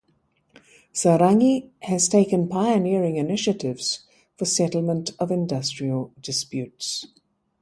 Sarangi has taken pioneering initiatives for settlement of industrial disputes.